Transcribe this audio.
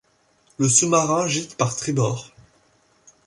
Le sous-marin gîte par tribord.